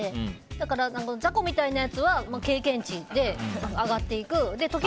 だから、雑魚みたいなやつは経験値で上がっていく。